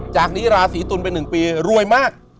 จากนี้ราศีตุลไป๑ปีรวยมาก